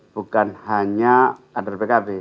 bukan hanya kader pkb